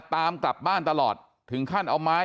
ใช่ค่ะถ่ายรูปส่งให้พี่ดูไหม